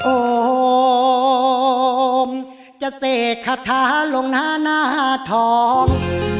โอมจะเสกคาถาลงหน้าหน้าทอง